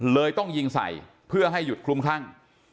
เลยต้องยิงใส่เพื่อให้หยุดคลุมคลั่ง